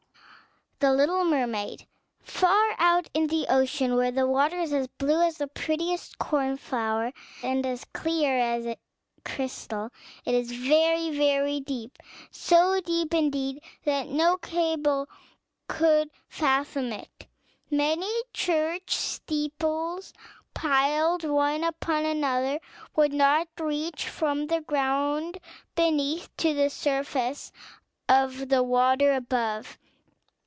THE LITTLE MERMAID Far out in the ocean, where the water is as blue as the prettiest cornflower, and as clear as crystal, it is very, very deep; so deep, indeed, that no cable could fathom it: many church steeples, piled one upon another, would not reach from the ground beneath to the surface of the water above.